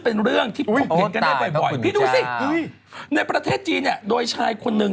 เพื่อจะได้ดีขึ้น